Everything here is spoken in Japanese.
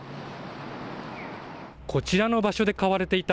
こちらの場所で飼われていた